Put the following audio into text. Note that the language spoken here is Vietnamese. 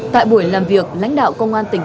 tại buổi làm việc lãnh đạo công an tỉnh